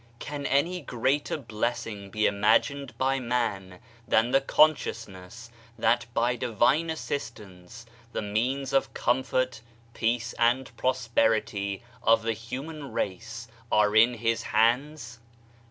Can any greater blessing be imagined by man than the consciousness that by divine assistance the means of comfort, peace and prosperity of the human race are in his hands?